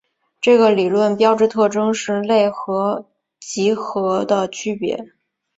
这个理论的标志特征是类和集合的区分。